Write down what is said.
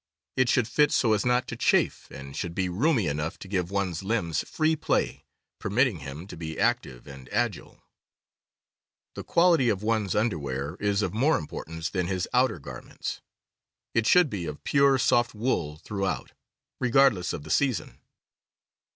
It should fit so as not to chafe, and should be roomy enough to give one's limbs free play, permitting him to be active and agile. The quality of one's underwear is of more impor tance than his outer garments. It should be of pure, T^ J soft wool throusrhout, regardless of the Underwear. r^ x. n i j season.